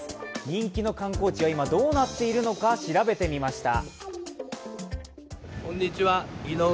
人気の観光地は今、どうなっているのか、調べてみました。